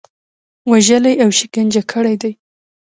وژلي او شکنجه کړي دي.